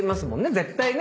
絶対ね。